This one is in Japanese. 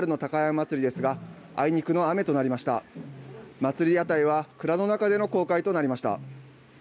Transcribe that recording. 祭屋台は蔵の中での公開となりました。